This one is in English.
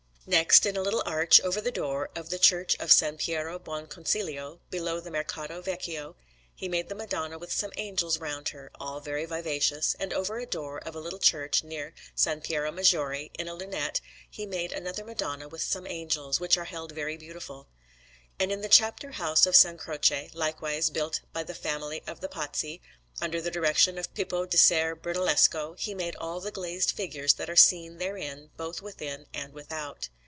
Next, in a little arch over the door of the Church of S. Piero Buonconsiglio, below the Mercato Vecchio, he made the Madonna with some angels round her, all very vivacious; and over a door of a little church near S. Piero Maggiore, in a lunette, he made another Madonna with some angels, which are held very beautiful. And in the Chapter house of S. Croce, likewise, built by the family of the Pazzi under the direction of Pippo di Ser Brunellesco, he made all the glazed figures that are seen therein both within and without.